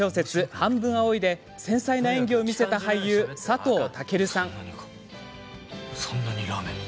「半分、青い。」で繊細な演技を見せた俳優・佐藤健さん。